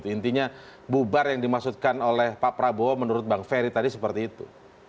intinya bubar yang dimaksudkan oleh pak prabowo menurut bang ferry tadi seperti itu